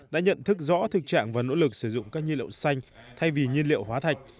đã nhận thức rõ thực trạng và nỗ lực sử dụng các nhiên liệu xanh thay vì nhiên liệu hóa thạch